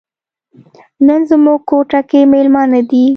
نن زموږ کوټه کې میلمانه دي.